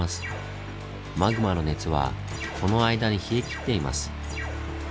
マグマの熱はこの間に冷え切っています。